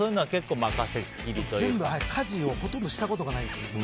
全部、家事をほとんどしたことないですね。